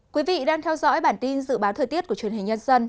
quý vị đang theo dõi bản tin dự báo thời tiết của truyền hình nhân dân